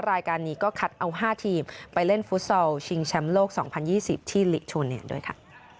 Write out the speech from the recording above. รายการนี้ก็คัดเอา๕ทีมไปเล่นฟุตซอลชิงแชมป์โลก๒๐๒๐ที่ลิโทเนียด้วยค่ะ